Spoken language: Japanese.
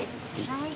はい。